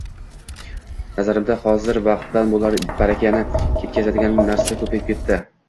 Nazarimda, hozir vaqtdan barakani ketkazadigan narsalar ko‘payib ketdi.